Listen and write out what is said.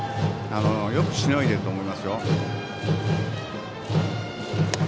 よくしのいだと思いますよ。